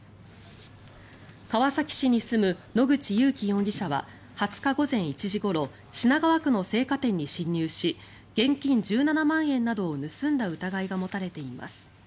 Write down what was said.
川崎市に住む野口勇樹容疑者は２０日午前１時ごろ品川区の青果店に侵入し現金１７万円などを盗んだ疑いが持たれています。